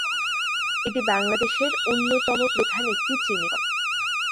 এটি বাংলাদেশের অন্যতম প্রধান একটি চিনি কল।